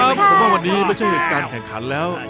ผมว่าวันนี้ไม่ใช่เหตุการณ์แข่งขันแล้ว